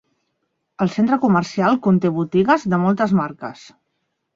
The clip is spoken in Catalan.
El centre comercial conté botigues de moltes marques.